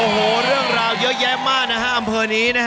โอ้โหเรื่องราวเยอะแยะมากนะฮะอำเภอนี้นะฮะ